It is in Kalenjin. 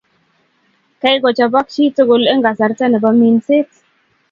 Keiko chopog pig tukul en kasarta nepo minset.